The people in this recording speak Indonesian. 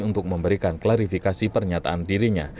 untuk memberikan klarifikasi pernyataan dirinya